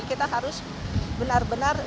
kita harus benar benar